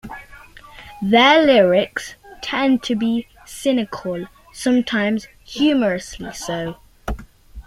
Their lyrics tend to be cynical, sometimes humorously so.